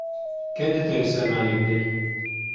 کەی دەتەوێ سەرمان لێ بدەی؟